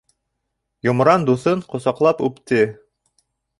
Йомран дуҫын ҡосаҡлап үпте.